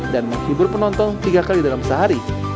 dan menghibur penonton tiga kali dalam sehari